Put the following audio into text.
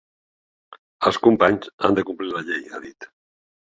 Els companys han de complir la llei, ha dit.